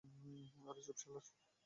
আরে চুপ শালারা!